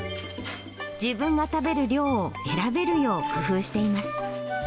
自分が食べる量を選べるよう工夫しています。